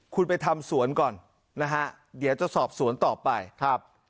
คุณไปทำสวนก่อนนะฮะเดี๋ยวจะสอบสวนต่อไปครับ